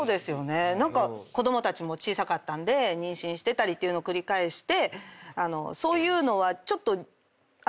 何か子供たちも小さかったんで妊娠してたりっていうの繰り返して。